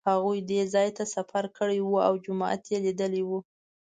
هغوی دې ځای ته سفر کړی و او جومات یې لیدلی و.